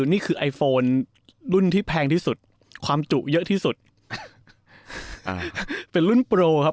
นี่คือไอโฟนรุ่นที่แพงที่สุดความจุเยอะที่สุดอ่าเป็นรุ่นโปรครับ